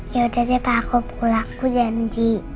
ya udah deh pak aku pulang aku janji